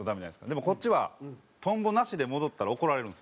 でもこっちはトンボなしで戻ったら怒られるんですよ。